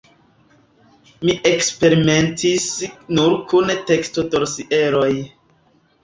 Mi eksperimentis nur kun tekstodosieroj.